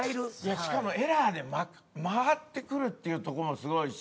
しかもエラーで回ってくるっていうとこもすごいし。